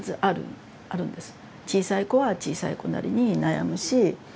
小さい子は小さい子なりに悩むし。